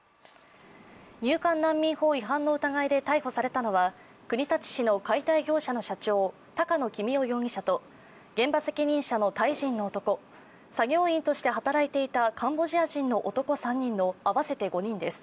入管難民法違反の疑いで逮捕されたのは国立市の解体業者の社長・鷹野公生容疑者と現場責任者のタイ人の男、作業員として働いていたカンボジア人の男３人の合わせて５人です。